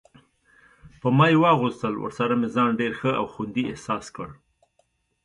په ما یې واغوستل، ورسره مې ځان ډېر ښه او خوندي احساس کړ.